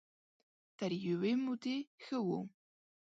تر يوې مودې ښه وو.